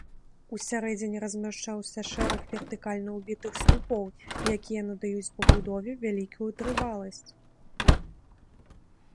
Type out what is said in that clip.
У сярэдзіне размяшчаўся шэраг вертыкальна ўбітых слупоў, якія надаюць пабудове вялікую трываласць.